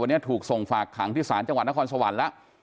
วันนี้ถูกส่งฝากขังที่ศาลจังหวัดนครสวรรค์แล้ว